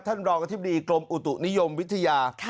ท่านรองกะทิบดีกรมอุตุนิยมวิทยา